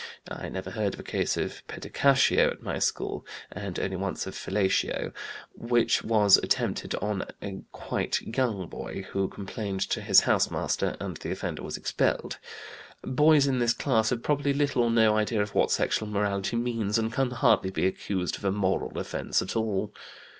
(I never heard of a case of pedicatio at my school, and only once of fellatio, which was attempted on a quite young boy, who complained to his house master, and the offender was expelled). Boys in this class have probably little or no idea of what sexual morality means, and can hardly be accused of a moral offense at all.